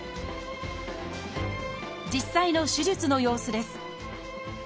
実際の手術の様子です。